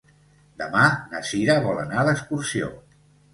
Demà na Sira vol anar d'excursió.